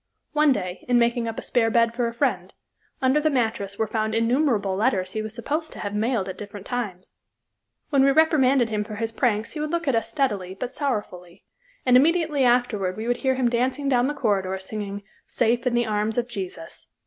One day, in making up a spare bed for a friend, under the mattress were found innumerable letters he was supposed to have mailed at different times. When we reprimanded him for his pranks he would look at us steadily, but sorrowfully, and, immediately afterward, we would hear him dancing down the corridor singing, "Safe in the Arms of Jesus."